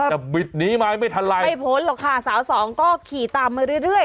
แต่บิดหนีมาไม่ทันไรไม่พ้นหรอกค่ะสาวสองก็ขี่ตามมาเรื่อย